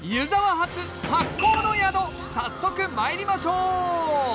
発酵の宿」早速まいりましょう！